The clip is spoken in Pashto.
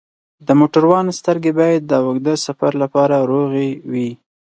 د موټروان سترګې باید د اوږده سفر لپاره روغې وي.